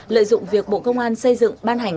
lợi dụng việc bộ công an xây dựng ban hành